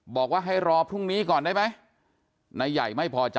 บอกว่าให้รอพรุ่งนี้ก่อนได้ไหมนายใหญ่ไม่พอใจ